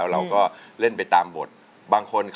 สวัสดีครับคุณหน่อย